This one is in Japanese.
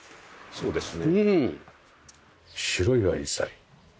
そうですね。